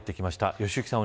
良幸さん